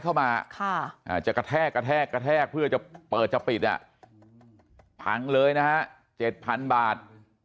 เข้ามาจะกระแทกกระแทกกระแทกเพื่อจะเปิดจะปิดอ่ะพังเลยนะฮะ๗๐๐บาท